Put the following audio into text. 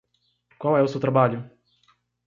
Qual é o seu trabalho?